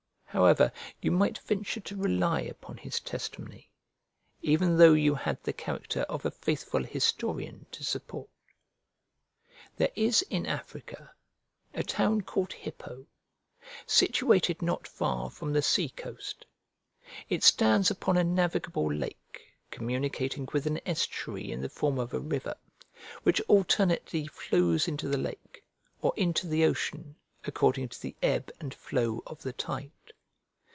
However, you might venture to rely upon his testimony, even though you had the character of a faithful historian to support. There is in Africa a town called Hippo, situated not far from the sea coast: it stands upon a navigable lake, communicating with an estuary in the form of a river, which alternately flows into the lake, or into the ocean, according to the ebb and flow of the tide.